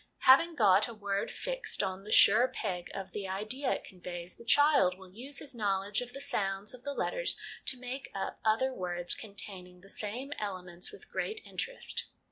Having got a word fixed on the sure peg of the idea it conveys, the child will use his knowledge of the sounds of the letters to make up other words contain ing the same elements with great interest.